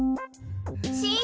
しん